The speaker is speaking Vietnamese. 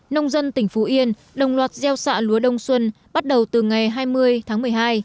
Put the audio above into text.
nông dân tỉnh phú yên đồng loạt gieo xạ lúa đông xuân bắt đầu từ ngày hai mươi tháng một mươi hai